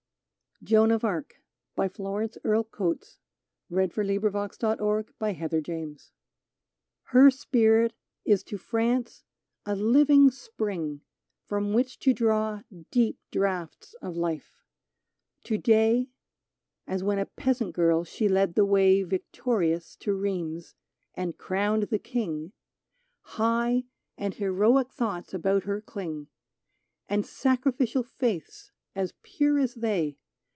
ng thrill, the fragrance and the rapture Of beauty in its bloom !" 135 JOAN OF ARC T Ter spirit is to France a living spring From which to draw deep draughts of life. To day,— As when a peasant girl she led the way Victorious to Rheims and crowned the King, — High and heroic thoughts about her cling, And sacrificial faiths as pure as they.